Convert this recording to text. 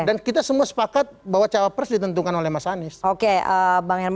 dan kita semua sepakat bahwa cawapres ditentukan oleh mas anies